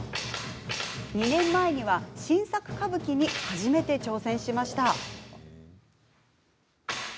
２年前には新作歌舞伎に初めて挑戦しました。